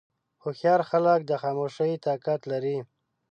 هوښیار خلک د خاموشۍ طاقت لري.